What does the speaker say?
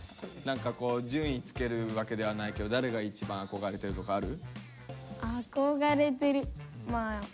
何かこう順位つけるわけではないけど憧れてるまあ。